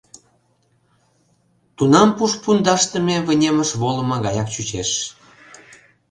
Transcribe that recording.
Тунам пуш пундашдыме вынемыш волымо гаяк чучеш.